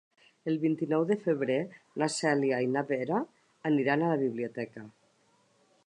El vint-i-nou de febrer na Cèlia i na Vera aniran a la biblioteca.